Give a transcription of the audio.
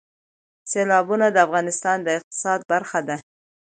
سیلابونه د افغانستان د اقتصاد برخه ده.